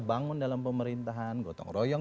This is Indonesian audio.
bangun dalam pemerintahan gotong royong